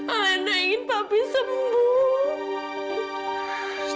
alena ingin papi sembuh